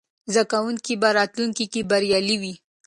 زده کوونکي به راتلونکې کې بریالي وي.